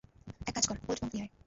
এক কাজ কর, ওল্ড মঙ্ক নিয়ে আয়।